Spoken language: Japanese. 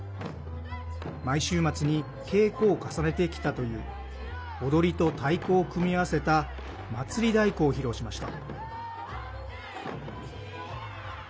毎週末に稽古を重ねてきたという踊りと太鼓を組み合わせた祭り太鼓を披露しました。